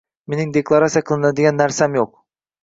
Mening deklaratsiya qiladigan narsam yo'q